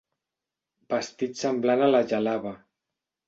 Vestit semblant a la gel·laba.